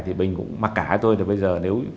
thì bình cũng mặc cả với tôi là bây giờ nếu